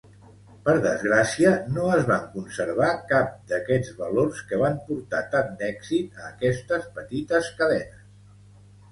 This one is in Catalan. Per desgràcia, no es van conservar cap d'aquests valors que van portar tant d'èxit a aquestes petites cadenes.